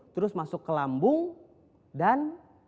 terus masuk ke lambung dan